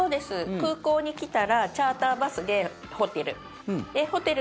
空港に来たらチャーターバスでホテル。